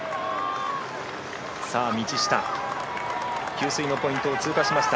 道下、給水のポイントを通過しました。